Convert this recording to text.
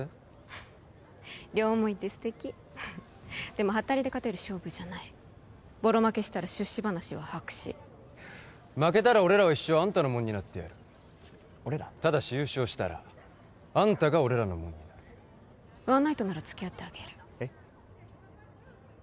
フッ両思いって素敵でもハッタリで勝てる勝負じゃないボロ負けしたら出資話は白紙負けたら俺らは一生あんたのもんになってやる俺ら？ただし優勝したらあんたが俺らのもんになるワンナイトなら付き合ってあげるえっ？